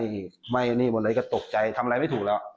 ครับไฟท่วมไหม้หมดแล้วก็ตกใจทำอะไรไม่ถูกแล้ว